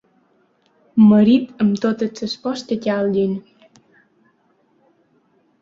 Marit, amb totes les pors que calguin.